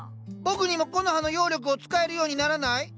僕にもコノハの妖力を使えるようにならない？